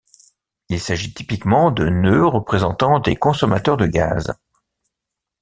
Il s'agit typiquement de nœuds représentant des consommateurs de gaz.